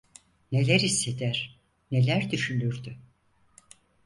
Neler hisseder, neler düşünürdü?